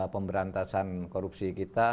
pemberantasan korupsi kita